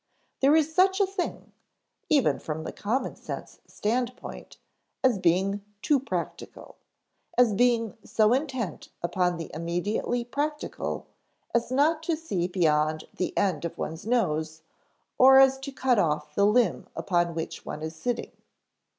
There is such a thing, even from the common sense standpoint, as being "too practical," as being so intent upon the immediately practical as not to see beyond the end of one's nose or as to cut off the limb upon which one is sitting.